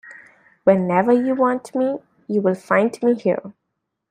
Whenever you want me, you will find me here.